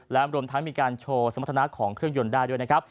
และรวมทั้งมีการโชว์สมรรถนะของเครื่องยนต์ได้ด้วยนะครับ